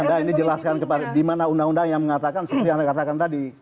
anda ini jelaskan di mana undang undang yang mengatakan seperti yang anda katakan tadi